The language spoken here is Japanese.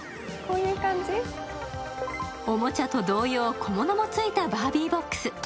おもちゃと同様、小物もついたバービーボックス。